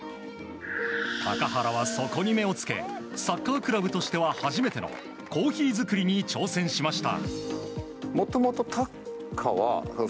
高原はそこに目をつけサッカークラブとしては初めてのコーヒー作りに挑戦しました。